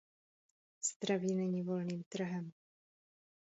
Zdraví není volným trhem.